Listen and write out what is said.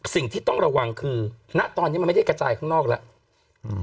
สิ่งที่ต้องระวังคือณตอนนี้มันไม่ได้กระจายข้างนอกแล้ว